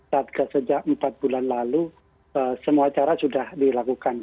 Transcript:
satgas sejak empat bulan lalu semua cara sudah dilakukan